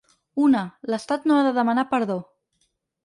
Una, l’estat no ha de demanar perdó.